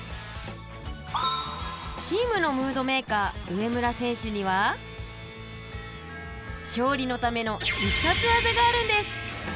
チームのムードメーカー植村選手にはしょうりのための必殺技があるんです。